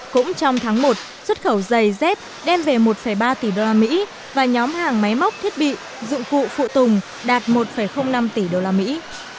cũng trong tháng một xuất khẩu giày dép đem về một ba tỷ đô la mỹ và nhóm hàng máy móc thiết bị dụng cụ phụ tùng đạt một năm tỷ đô la mỹ